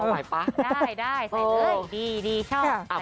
ได้ใส่เลยดีชอบ